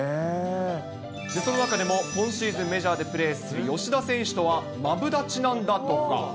その中でも、今シーズン、メジャーでプレーする吉田選手とはマブダチなんだとか。